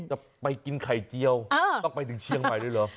จะไปกินไข่เจียวต้องไปถึงเชียงใหม่เลยเหรอ